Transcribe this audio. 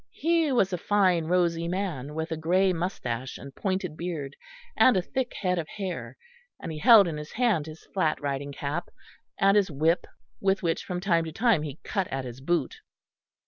He was a fine rosy man, with grey moustache and pointed beard, and a thick head of hair, and he held in his hand his flat riding cap, and his whip with which from time to time he cut at his boot.